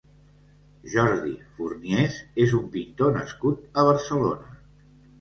Jordi Forniés és un pintor nascut a Barcelona.